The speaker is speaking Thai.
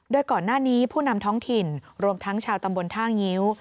โดยก่อนหน้านี้ผู้นำท้องถิ่นรวมทั้งชาวตำบลท่างิ้ว